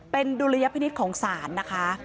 เป็นฎูระยะพินิตของสารนะคะ